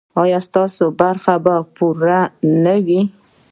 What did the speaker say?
ایا ستاسو برخه به پوره نه وي؟